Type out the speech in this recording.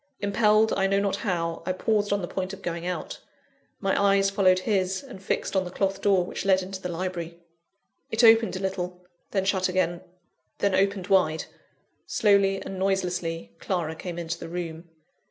Impelled, I know not how, I paused on the point of going out. My eyes followed his, and fixed on the cloth door which led into the library. It opened a little then shut again then opened wide. Slowly and noiselessly, Clara came into the room.